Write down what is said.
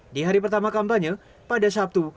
di hari pertama kampanye pada sabtu